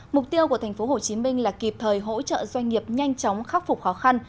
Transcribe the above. mục tiêu của tp hcm là kịp thời hỗ trợ doanh nghiệp nhanh chóng khắc phục khó khăn